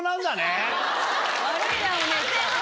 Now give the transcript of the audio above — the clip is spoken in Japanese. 悪いなお姉ちゃん。